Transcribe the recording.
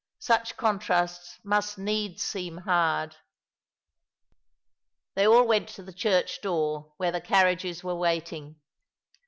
Such contrasts must needs seem hard. They all went to the church door, where the carriages were waiting.